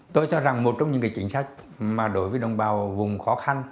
tôi cho rằng một trong những cái chính sách mà đối với đồng bào vùng khó khăn